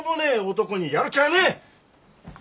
男にやる気ゃあねえ！